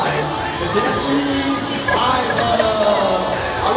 kejadian ini ayen babak